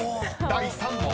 ［第３問］